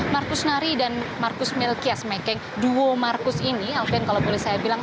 markus nari dan markus melchias mekeng duo markus ini alfian kalau boleh saya bilang